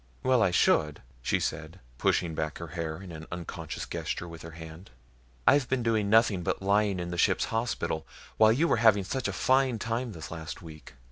"Well, I should," she said, pushing back her hair in an unconscious gesture with her hand. "I've been doing nothing but lying in the ship's hospital, while you were having such a fine time this last week.